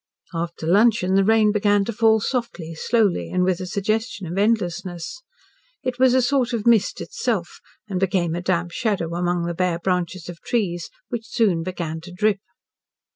After luncheon the rain began to fall softly, slowly, and with a suggestion of endlessness. It was a sort of mist itself, and became a damp shadow among the bare branches of trees which soon began to drip.